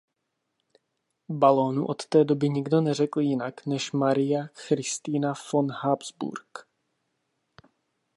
Balónu od té doby nikdo neřekl jinak než „Maria Christina von Habsburg“.